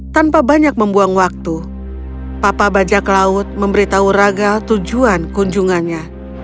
tanpa banyak membuang waktu papa bajak laut memberitahu raga tujuan kunjungannya